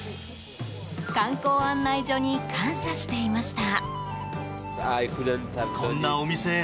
観光案内所に感謝していました。